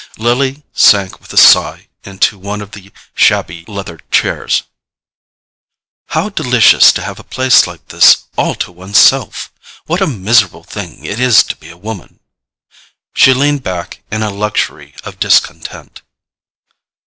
Lily sank with a sigh into one of the shabby leather chairs. "How delicious to have a place like this all to one's self! What a miserable thing it is to be a woman." She leaned back in a luxury of discontent.